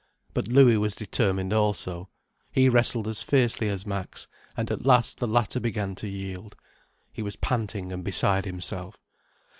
But Louis was determined also, he wrestled as fiercely as Max, and at last the latter began to yield. He was panting and beside himself.